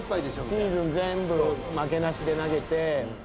シーズン全部負けなしで投げて。